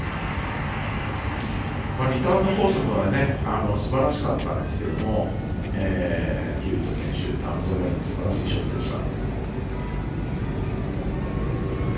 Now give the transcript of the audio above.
リターンのコースもすばらしかったんですけどヒューウェット選手ダウンザラインにすばらしいショットでした。